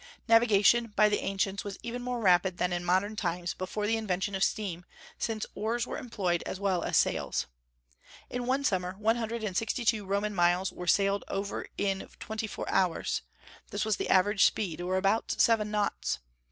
Navigation by the ancients was even more rapid than in modern times before the invention of steam, since oars were employed as well as sails. In summer one hundred and sixty two Roman miles were sailed over in twenty four hours; this was the average speed, or about seven knots.